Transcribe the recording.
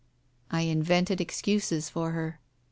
I invented excuses for her.